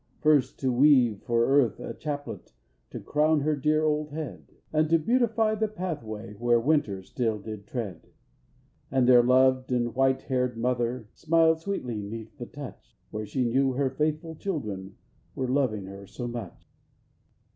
First to weave for Earth a chaplet To crown her dear old head; And to beautify the pathway Where winter still did tread. And their loved and white haired mother Smiled sweetly 'neath the touch, When she knew her faithful children Were loving her so much.